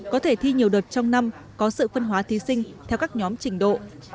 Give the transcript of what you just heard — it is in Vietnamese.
có thể thi nhiều đợt trong năm có sự phân hóa thí sinh theo các nhóm trình độ